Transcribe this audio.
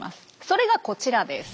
それがこちらです。